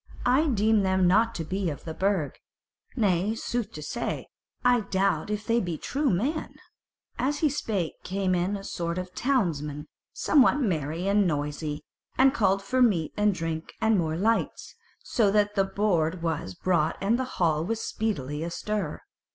I deem them not to be of the Burg. Nay, sooth to say, I doubt if they be true men." As he spake came in a sort of the townsmen somewhat merry and noisy, and called for meat and drink and more lights; so that the board was brought and the hall was speedily astir.